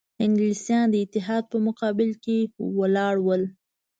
انګلیسیان د اتحاد په مقابل کې ولاړ ول.